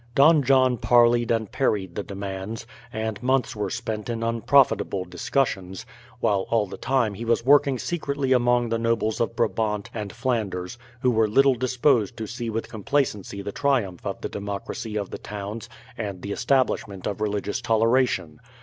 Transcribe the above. Don John parleyed and parried the demands, and months were spent in unprofitable discussions, while all the time he was working secretly among the nobles of Brabant and Flanders, who were little disposed to see with complacency the triumph of the democracy of the towns and the establishment of religious toleration.